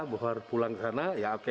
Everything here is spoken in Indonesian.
bahwa pulang ke sana ya oke